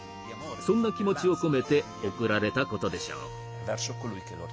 そんな気持ちを込めて贈られたことでしょう。